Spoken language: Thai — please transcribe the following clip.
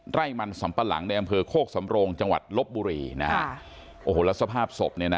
ไร่มันสำปะหลังในอำเภอโคกสำโรงจังหวัดลบบุรีนะฮะโอ้โหแล้วสภาพศพเนี่ยนะ